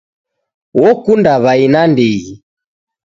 Wokunda w'ai nandighi.